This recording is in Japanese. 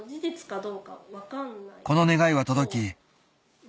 この願いは届き